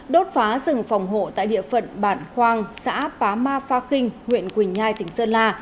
đốt phá rừng phòng hộ tại địa phận bản khoang xã pá ma pha kinh huyện quỳnh nhai tỉnh sơn la